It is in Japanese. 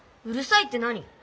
うるいさいって何？